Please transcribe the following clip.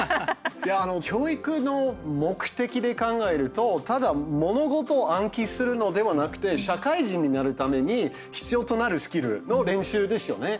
教育の目的で考えるとただ物事を暗記するのではなくて社会人になるために必要となるスキルの練習ですよね。